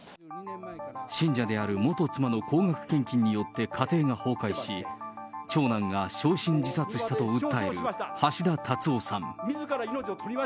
信者である元妻の高額献金によって家庭が崩壊し、長男が焼身自殺したと訴える橋田達夫さん。